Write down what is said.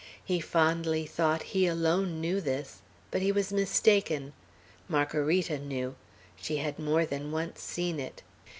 He fondly thought he alone knew this; but he was mistaken. Margarita knew. She had more than once seen it.